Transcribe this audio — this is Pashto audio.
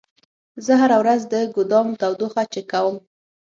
زه هره ورځ د ګودام تودوخه چک کوم.